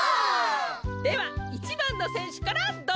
では１ばんのせんしゅからどうぞ！